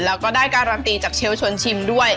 แล้วก็ได้การันตีจากเชลชนชิมด้วย